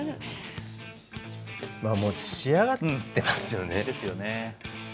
まあもう仕上がってますよね。ですよね。